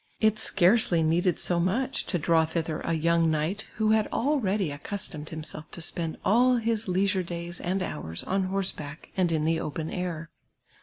It scarcely needed so much to draw thither a yoimg knight who had already accustomed himself to spend all his leism'c days and hours on horseback and in the open air.